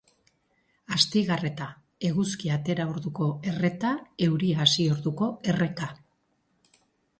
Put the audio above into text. Astigarreta: eguzkia atera orduko erreta, euria hasi orduko erreka.